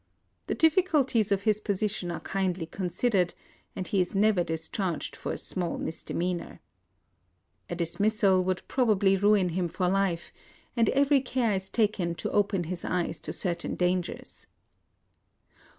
The diffi culties of his position are kindly considered, and he is never discharged for a small misde meanor. A dismissal would probably ruin him for life ; and every care is taken to open his eyes to certain dangers.